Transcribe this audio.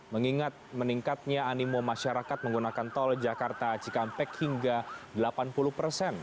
mengingat meningkatnya animo masyarakat menggunakan tol jakarta cikampek hingga delapan puluh persen